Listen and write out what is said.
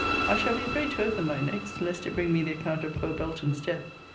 I shall be afraid to open thy next, lest it bring me the account of poor Belton's death.